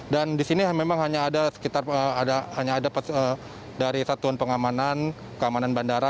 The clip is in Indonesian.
dan di sini memang hanya ada dari satuan pengamanan keamanan bandara